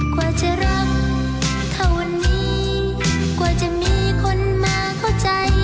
กว่าจะรักเท่าวันนี้กว่าจะมีคนมาเข้าใจ